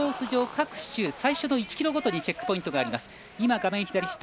上各周、最初の１ｋｍごとにチェックポイントがあります。